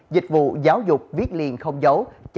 dịch vụ giáo dục viết liền không giấu